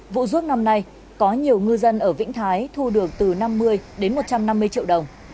vụ ruốc năm nay có nhiều ngư dân ở vĩnh thái thu được từ năm mươi đến một trăm năm mươi triệu đồng